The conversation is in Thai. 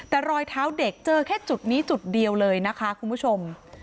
แต่รอยเท้าเด็กเจอแค่จุดนี้จุดเดียวเลยนะคะคุณผู้ชม